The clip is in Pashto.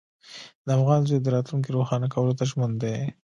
د افغان زوی د راتلونکي روښانه کولو ته ژمن دی.